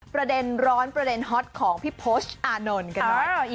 ประเด็นร้อนประเด็นฮอตของพี่โพชอานนท์กันหน่อย